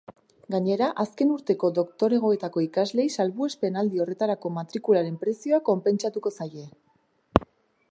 Gainera, azken urteko doktoregoetako ikasleei salbuespen aldi horretako matrikularen prezioa konpentsatuko zaie.